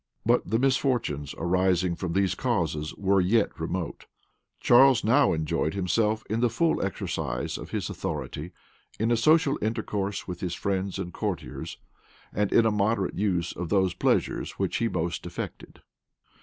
But the misfortunes arising from these causes were yet remote. Charles now enjoyed himself in the full exercise of his authority, in a social intercourse with his friends and courtiers, and in a moderate use of those pleasures which he most affected.